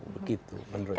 begitu menurut saya